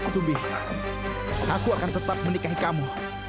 subih aku akan tetap menikahi kamu